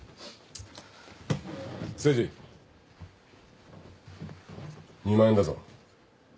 誠治２万円だぞ。